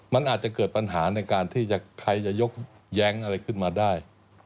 มันอาจจะเกิดปัญหาในการที่ใครจะยกแย้งอะไรขึ้นมาได้